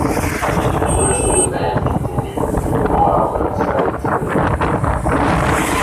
The rest of the band continued for a while but decided to split up.